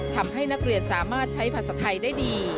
ทำให้นักเรียนสามารถใช้ภาษาไทยได้ดี